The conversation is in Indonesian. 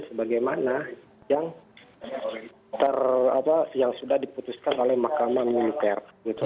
sebagaimana yang sudah diputuskan oleh mahkamah militer